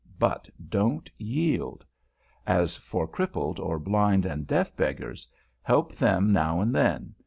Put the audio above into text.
But don't yield. As for crippled or blind and deaf beggars, help them now and then.